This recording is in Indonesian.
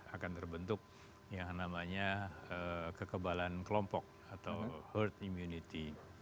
akan terbentuk yang namanya kekebalan kelompok atau herd immunity